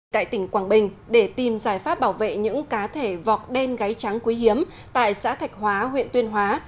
tại tỉnh quảng bình để tìm giải pháp bảo vệ những cá thể vọc đen gáy trắng quý hiếm tại xã thạch hóa huyện tuyên hóa